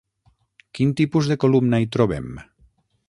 Quin tipus de columna hi trobem?